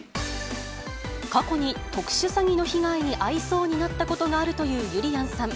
過去に特殊詐欺の被害に遭いそうになったことがあるというゆりやんさん。